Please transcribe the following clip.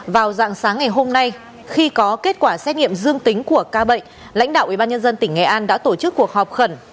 vào dạng sáng ngày hôm nay khi có kết quả xét nghiệm dương tính của ca bệnh lãnh đạo ủy ban nhân dân tỉnh nghệ an đã tổ chức cuộc họp khẩn